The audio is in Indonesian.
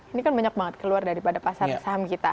ini kan banyak banget keluar daripada pasar saham kita